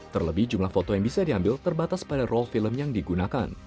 terlebih jumlah foto yang bisa diambil terbatas pada role film yang digunakan